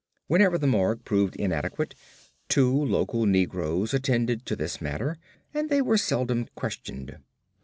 Whenever the morgue proved inadequate, two local negroes attended to this matter, and they were seldom questioned.